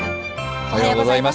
おはようございます。